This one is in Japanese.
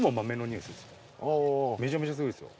めちゃめちゃすごいですよ。